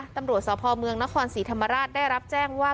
ตำรวจสพเมืองนครศรีธรรมราชได้รับแจ้งว่า